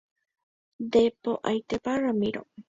Nde po'aitépa Ramiro.